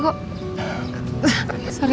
gue masuk ya